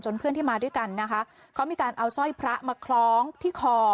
เพื่อนที่มาด้วยกันนะคะเขามีการเอาสร้อยพระมาคล้องที่คอ